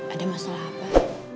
ada masalah apa